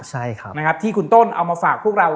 ใช่ครับนะครับที่คุณต้นเอามาฝากพวกเรา